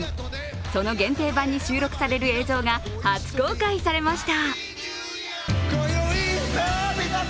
その限定盤に収録される映像が初公開されました。